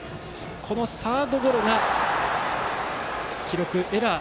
このサードゴロが記録エラー。